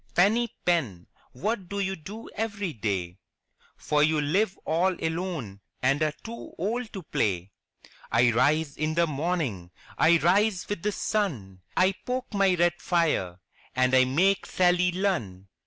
* Teeny Pen, what do you do every day. For you live all alone and are too old to play?" '1 rise in the morning, I rise with the sun, I poke my red fire and I make Sally Lunn